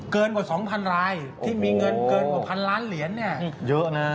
เกินกว่า๒๐๐๐รายที่มีเงินเกินกว่า๑๐๐๐ล้านเหรียญ